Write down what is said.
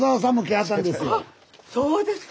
あっそうですか！